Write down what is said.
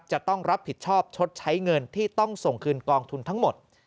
จะต้องรับผิดชอบชดใช้เงินที่ต้องส่งคืนกองทุนทั้งหมด